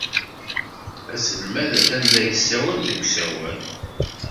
Aselmad atan la yessawal deg usawal.